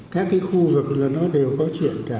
các cái khu vực là nó đều có chuyện cả